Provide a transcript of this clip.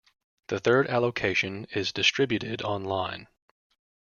The third allocation is distributed online.